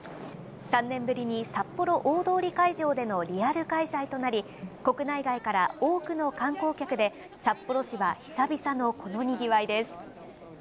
３年ぶりにさっぽろ大通会場でのリアル開催となり、国内外から多くの観光客で、札幌市は久々のこのにぎわいです。